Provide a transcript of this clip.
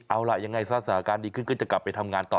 เอาล่ะยังไงซะสถานการณ์ดีขึ้นก็จะกลับไปทำงานต่อ